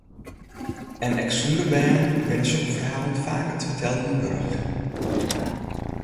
En ek sûnder bern binne sokke ferhalen faak it fertellen wurdich.